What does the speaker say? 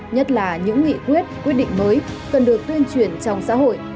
nhất là những nghị quyết quyết định mới cần được tuyên truyền trong xã hội